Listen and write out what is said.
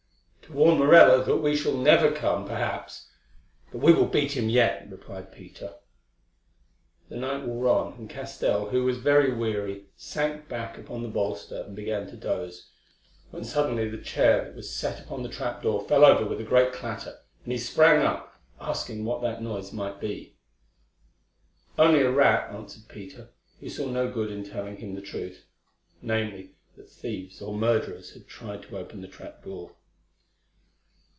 "To warn Morella that we shall never come, perhaps; but we will beat him yet," replied Peter. The night wore on, and Castell, who was very weary, sank back upon the bolster and began to doze, when suddenly the chair that was set upon the trap door fell over with a great clatter, and he sprang up, asking what that noise might be. "Only a rat," answered Peter, who saw no good in telling him the truth—namely, that thieves or murderers had tried to open the trap door.